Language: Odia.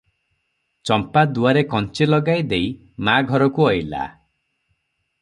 ଚମ୍ପା ଦୁଆରେ କଞ୍ଚି ଲଗାଇ ଦେଇ ମା ଘରକୁ ଅଇଲା ।